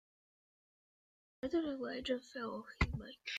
My brother Elijah fell off his bike.